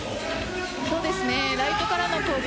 ライトからの攻撃